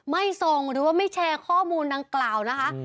ไม่ส่งหรือว่าไม่แชร์ข้อมูลดังกล่าวนะคะ